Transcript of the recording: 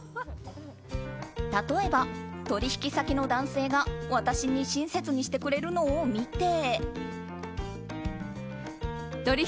例えば、取引先の男性が私に親切にしてくれるのを見て。